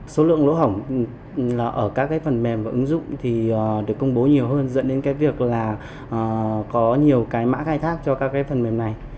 số lượng lỗ hỏng ở các phần mềm và ứng dụng được công bố nhiều hơn dẫn đến việc có nhiều mã khai thác cho các phần mềm này